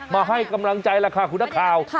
มาให้กำลังใจล่ะค่ะคุณนักข่าว